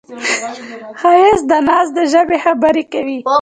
ښایست د ناز د ژبې خبرې کوي